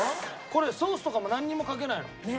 これソースとかもなんにもかけないの？